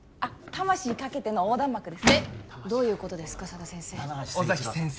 魂かけての横断幕ですでどういうことですか佐田先生尾崎先生